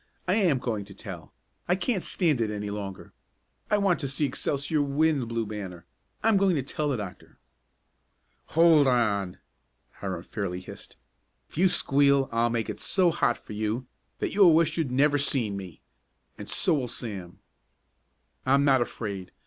I am going to tell. I can't stand it any longer. I want to see Excelsior win the Blue Banner. I'm going to tell the doctor!" "Hold on!" Hiram fairly hissed. "If you squeal I'll make it so hot for you that you'll wish you'd never seen me and so will Sam." "I'm not afraid!